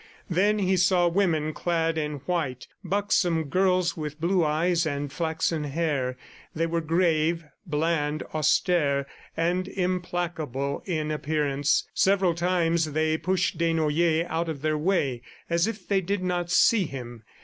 Then he saw women clad in white, buxom girls with blue eyes and flaxen hair. They were grave, bland, austere and implacable in appearance. Several times they pushed Desnoyers out of their way as if they did not see him.